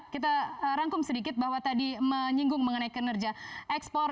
kita rangkum sedikit bahwa tadi menyinggung mengenai kinerja ekspor